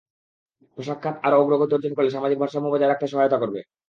পোশাক খাত আরও অগ্রগতি অর্জন করলে সামাজিক ভারসাম্য বজায় রাখতে সহায়তা করবে।